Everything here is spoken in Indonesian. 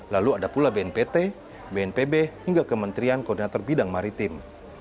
lalu ada pula bnpt bnpb hingga kementerian koordinator bidang maritim